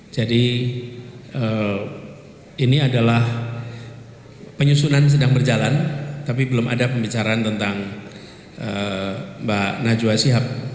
jadi ini adalah penyusunan sedang berjalan tapi belum ada pembicaraan tentang mbak najwa syahab